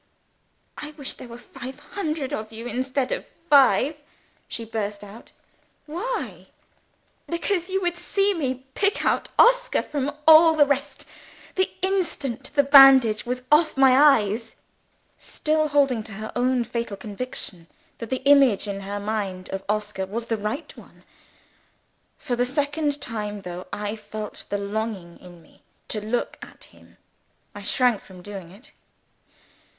"I wish there were five hundred of you, instead of five?" she burst out. "Why?" "Because you would see me pick out Oscar from all the rest, the instant the bandage was off my eyes!" Still holding to her own fatal conviction that the image in her mind of Oscar was the right one! For the second time, though I felt the longing in me to look at him, I shrank from doing it.